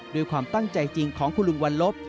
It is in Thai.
ด้วยความตั้งใจจริงของคุณลุงวันลบ